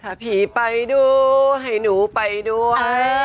ถ้าพี่ไปดูให้หนูไปด้วย